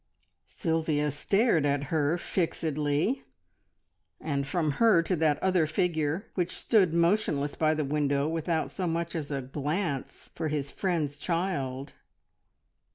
Sylvia stared at her fixedly, and from her to that other figure which stood motionless by the window without so much as a glance for his friend's child.